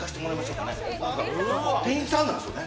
店員さんなんですよね。